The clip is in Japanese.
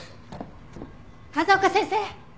風丘先生！